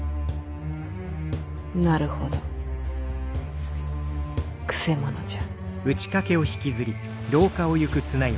なるほどくせ者じゃ。